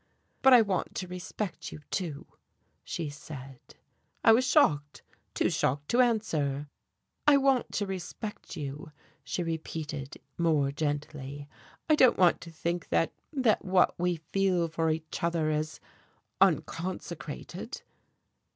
"But I want to respect you, too," she said. I was shocked, too shocked to answer. "I want to respect you," she repeated, more gently. "I don't want to think that that what we feel for each other is unconsecrated."